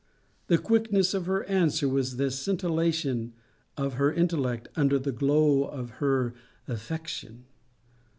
The quickness of her answer was the scintillation of her intellect under the glow of her affection.